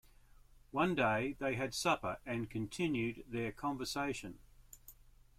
One day they had supper and continued their conversation.